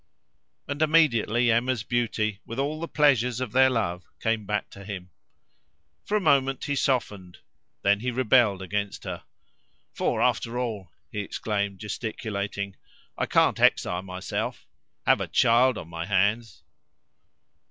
And immediately Emma's beauty, with all the pleasures of their love, came back to him. For a moment he softened; then he rebelled against her. "For, after all," he exclaimed, gesticulating, "I can't exile myself have a child on my hands."